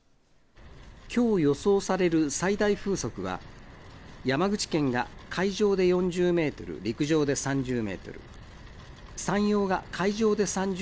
きょう予想される最大風速は、山口県が海上で４０メートル、陸上で３０メートル。